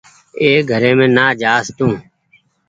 اي گھريم نا جآس تو